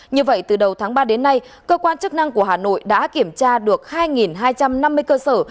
như vậy từ đầu tháng ba đến nay cơ quan chức năng của hà nội đã kiểm tra được hai hai trăm năm mươi cơ sở